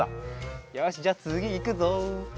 よしじゃあつぎいくぞ。